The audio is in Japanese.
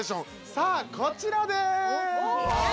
さあ、こちらです。